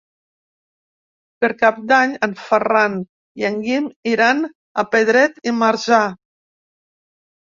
Per Cap d'Any en Ferran i en Guim iran a Pedret i Marzà.